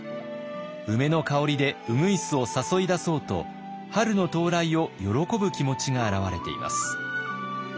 梅の香りで鶯を誘い出そうと春の到来を喜ぶ気持ちが表れています。